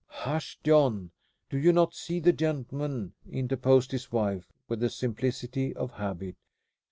"Hush, John. Do you not see the gentleman?" interposed his wife, with the simplicity of habit.